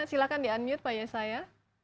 silahkan di unmute pak yesaya